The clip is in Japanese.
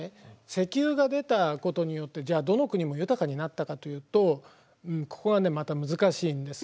石油が出たことによってじゃあどの国も豊かになったかというとここがねまた難しいんです。